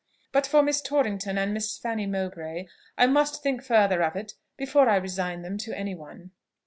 But for Miss Torrington and Miss Fanny Mowbray, I must think further of it before I resign them to any one."